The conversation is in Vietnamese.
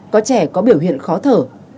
có trẻ có biểu hiện khó thở